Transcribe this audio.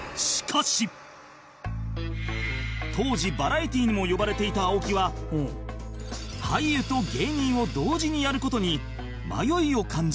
当時バラエティにも呼ばれていた青木は俳優と芸人を同時にやる事に迷いを感じていた